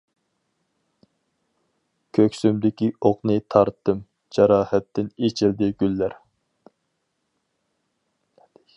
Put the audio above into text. كۆكسۈمدىكى ئوقنى تارتتىم جاراھەتتىن ئېچىلدى گۈللەر.